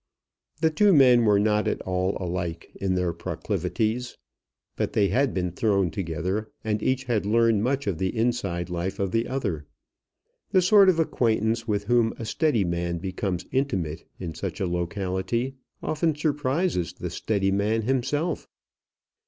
The two men were not at all like in their proclivities; but they had been thrown together, and each had learned much of the inside life of the other. The sort of acquaintance with whom a steady man becomes intimate in such a locality often surprises the steady man himself.